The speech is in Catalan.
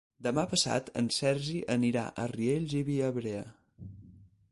Demà passat en Sergi anirà a Riells i Viabrea.